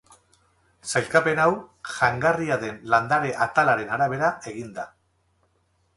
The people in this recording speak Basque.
Sailkapen hau jangarria den landare atalaren arabera egin da.